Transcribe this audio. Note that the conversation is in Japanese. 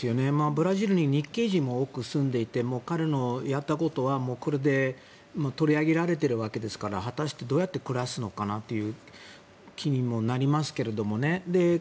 ブラジルに日系人が多く住んでいて彼のやったことはこれで取り上げられているわけですから果たしてどうやって暮らすのかなという気にもなりますけどもね。